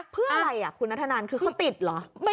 เพื่ออะไรคุณนัทธนันคือเขาติดเหรอ